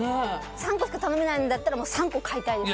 ３個しか頼めないんだったらもう３個買いたいですね。